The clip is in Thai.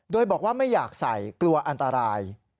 โดยบอกว่าไม่อยากใส่กลัวอันตราย